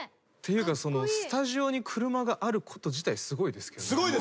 ていうかスタジオに車があること自体すごいですけどね。